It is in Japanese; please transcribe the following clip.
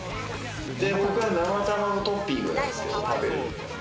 僕は生卵トッピングなんですけれど。